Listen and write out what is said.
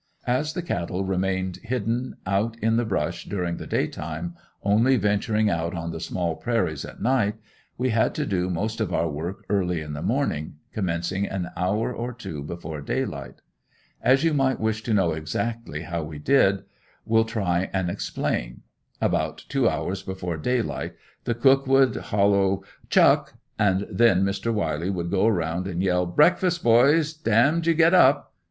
As the cattle remained hidden out in the "brush" during the day time, only venturing out on the small prairies at night, we had to do most of our work early in the morning, commencing an hour or two before daylight. As you might wish to know exactly how we did, will try and explain: About two hours before daylight the cook would holloa "chuck," and then Mr. Wiley would go around and yell "breakfast, boys; d n you get up!"